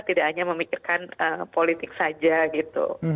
tidak hanya memikirkan politik saja gitu